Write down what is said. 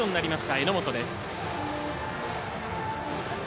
榎本です。